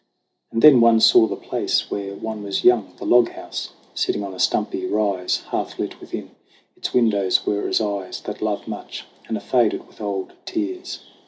And then one saw the place where one was young The log house sitting on a stumpy rise. Hearth lit within, its windows were as eyes That love much and are faded with old tears.